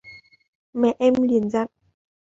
mẹ em liền dặn